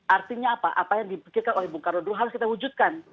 artinya apa apa yang dipikirkan oleh bung karno dulu harus kita wujudkan